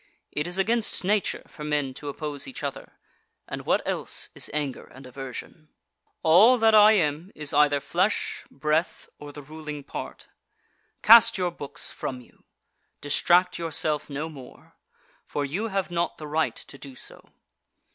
It is against nature for men to oppose each other; and what else is anger and aversion? 2. All that I am is either flesh, breath, or the ruling part. Cast your books from you; distract yourself no more; for you have not the right to do so.